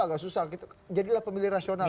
agak susah gitu jadilah pemilih rasional